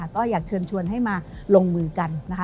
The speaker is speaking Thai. ก็อยากเชิญชวนให้มาลงมือกันนะคะ